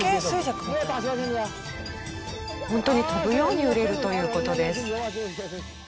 ホントに飛ぶように売れるという事です。